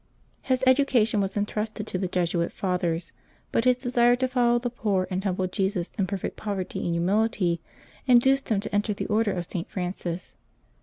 His education was intrusted to the Jesuit Fathers, but his desire to follow the poor and humble Jesus in perfect poverty and humility induced him to enter the Order of St. Francis.